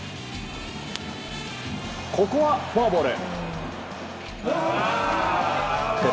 ここはフォアボール。